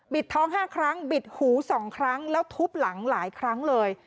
ท้อง๕ครั้งบิดหู๒ครั้งแล้วทุบหลังหลายครั้งเลย